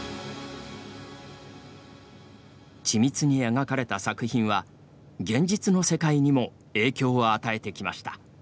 緻密に描かれた作品は、現実の世界にも影響を与えてきました。